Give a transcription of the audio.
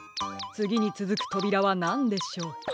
つぎにつづくとびらはなんでしょう？